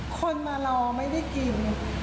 คนมารอไม่ได้กิน